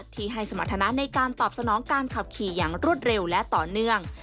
ที่ให้สมรรถนะในการตอบสนองการขับขี่อย่างรวดเร็วและต่อเนื่อง